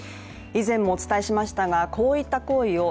以前もお伝えしましたが、こういった行為をＳＯＧＩ